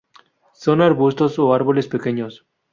Son arbustos a árboles pequeños.